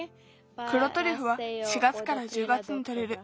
くろトリュフは４月から１０月にとれる。